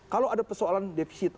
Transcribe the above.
kalau ada persoalan defisit